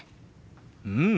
うん！